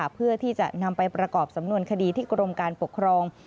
เพื่อที่จะนำไปประกอบสำนวนคดีที่กรมการปกครอง